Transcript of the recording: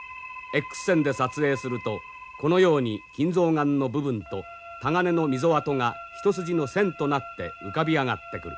Ｘ線で撮影するとこのように金象眼の部分とタガネの溝跡が一筋の線となって浮かび上がってくる。